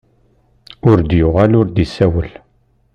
Ur d-yuɣal ur d-isawel.